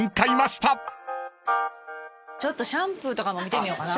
ちょっとシャンプーとかも見てみようかな。